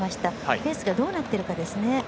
ペースがどうなっているかですね。